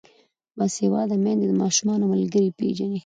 باسواده میندې د ماشومانو ملګري پیژني.